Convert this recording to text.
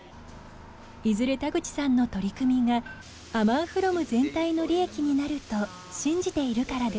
いずれ田口さんの取り組みがアマンフロム全体の利益になると信じているからです。